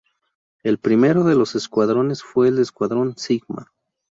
El primero de los escuadrones fue el Escuadrón Sigma.